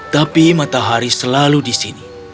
tapi matahari selalu disini